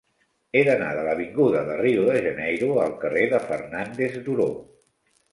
He d'anar de l'avinguda de Rio de Janeiro al carrer de Fernández Duró.